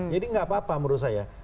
jadi nggak apa apa menurut saya